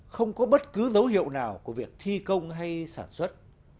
không có bất cứ dấu hiệu nào của việc thi công hay sản xuất